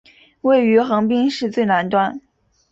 位于横滨市最南端。